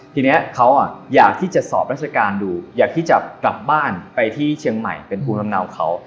ทีนี้เขาอยากที่จะสอบราชการดูอยากที่จะกลับบ้านไปที่เชียงใหม่เป็นภูมิลำเนาเขา